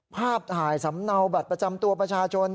ภาพถ่ายสำเนาบัตรประจำตัวประชาชน